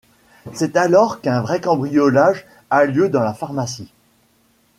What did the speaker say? C'est alors qu'un vrai cambriolage a lieu dans la pharmacie…